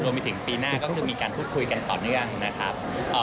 ไปถึงปีหน้าก็คือมีการพูดคุยกันต่อเนื่องนะครับ